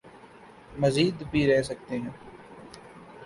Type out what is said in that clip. مزید بھی رہ سکتے ہیں۔